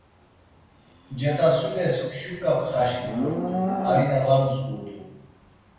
Cetasules şuǩa pxaşǩi dort̆u, aina var mzgudu.